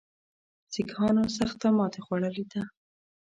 سیکهانو سخته ماته خوړلې ده.